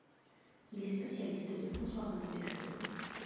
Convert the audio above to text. Il est spécialiste de François-René de Chateaubriand.